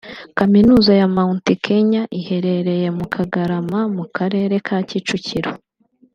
Kaminuza ya Mount Kenya (Mount Kenya University Rwanda) iherereye muri Kagarama mu karere ka Kicukiro